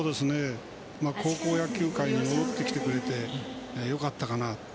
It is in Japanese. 高校野球界に戻ってきてくれてよかったな。